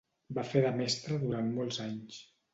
Va fer de mestre durant molts anys.